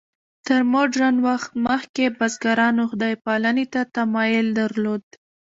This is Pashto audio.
تر مډرن وخت مخکې بزګرانو خدای پالنې ته تمایل درلود.